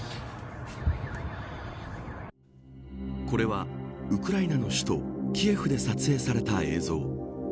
これはウクライナの首都キエフで撮影された映像。